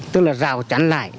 tức là rào chắn lại